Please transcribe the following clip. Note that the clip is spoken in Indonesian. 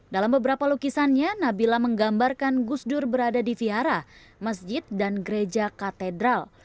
dalam beberapa lukisannya nabila menggambarkan gus dur berada di vihara masjid dan gereja katedral